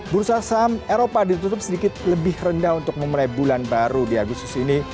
bursa saham eropa ditutup sedikit lebih rendah untuk memulai bulan baru di agustus ini